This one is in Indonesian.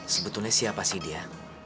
sebetulnya siapa sih dia